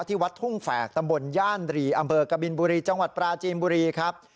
ที่วัดทุ่งแฝกตำบลย่านรีอำเภอกบินบุรีจังหวัดปราจีนบุรีครับ